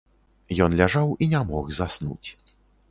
Ён ляжаў і не мог заснуць.